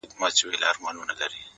• چي یې هیري دښمنۍ سي د کلونو د عمرونو,